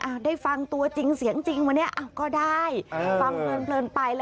อ่าได้ฟังตัวจริงเสียงจริงอ่ะมาเนี่ย